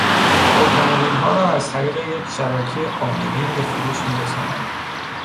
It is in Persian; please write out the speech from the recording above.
اتومبیلها را از طریق یک شبکه عاملین به فروش میرسانند.